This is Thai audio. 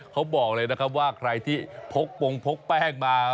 เขาบอกเลยนะครับว่าใครที่พกปงพกแป้งมา